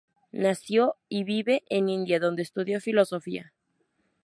Nació y vive en India, donde estudió Filosofía.